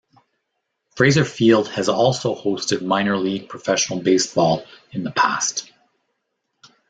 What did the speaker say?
Fraser Field has also hosted minor league professional baseball in the past.